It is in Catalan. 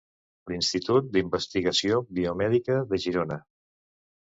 L'Institut d'Investigació Biomèdica de Girona.